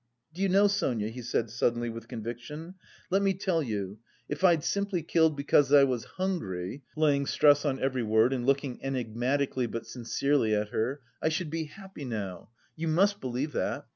"Do you know, Sonia," he said suddenly with conviction, "let me tell you: if I'd simply killed because I was hungry," laying stress on every word and looking enigmatically but sincerely at her, "I should be happy now. You must believe that!